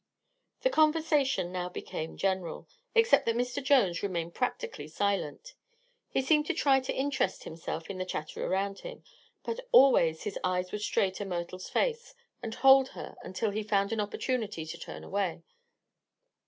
The conversation now became general, except that Mr. Jones remained practically silent He seemed to try to interest himself in the chatter around him, but always his eyes would stray to Myrtle's face and hold her until she found an opportunity to turn away.